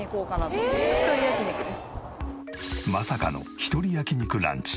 まさかの１人焼肉ランチ。